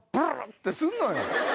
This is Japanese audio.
ってすんのよ。